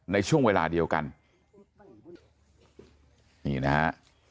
ในช่วงเวลาเดียวกันนี่นะฮะ